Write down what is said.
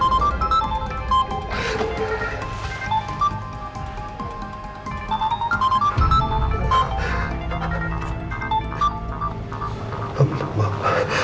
ya ya pak